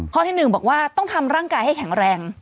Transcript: ที่๑บอกว่าต้องทำร่างกายให้แข็งแรง